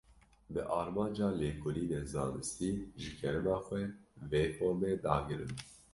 Bi armanca lêkolînên zanistî, ji kerema xwe, vê formê dagirin